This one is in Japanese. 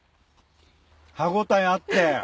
歯応えあって。